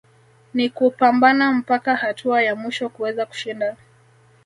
ni kupambana mpaka hatua ya mwisho kuweza kushinda